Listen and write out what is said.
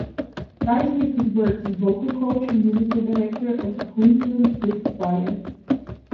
Barry-Smith has worked as vocal coach and musical director of the Queensland Youth Choir.